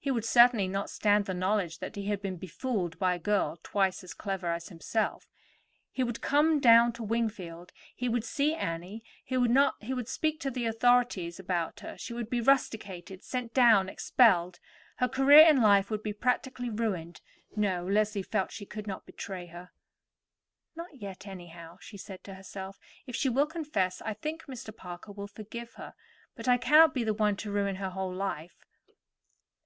He would certainly not stand the knowledge that he had been befooled by a girl twice as clever as himself. He would come down to Wingfield, he would see Annie, he would speak to the authorities about her, she would be rusticated, sent down, expelled. Her career in life would be practically ruined. No. Leslie felt she could not betray her. "Not yet, anyhow," she said to herself. "If she will confess, I think Mr. Parker will forgive her, but I cannot be the one to ruin her whole life."